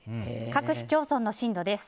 各市町村の震度です。